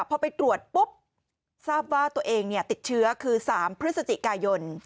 พอไปตรวจปุ๊บทราบว่าตัวเองติดเชื้อคือ๓พฤศจิกายน